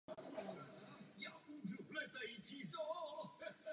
Jeho jméno se vykládá jako "„Lékař“".